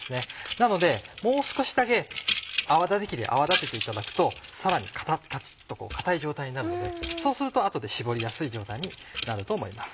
なのでもう少しだけ泡立て器で泡立てていただくとさらにカチっと固い状態になるのでそうすると後で絞りやすい状態になると思います。